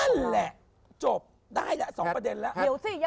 นั่นแหละจบได้แล้ว๒ประเด็นแล้ว